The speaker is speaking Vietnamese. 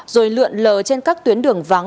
rồi lượn lờ trên các tuyến đường vắng